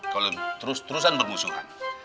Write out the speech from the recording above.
kalau terus terusan bermusuhan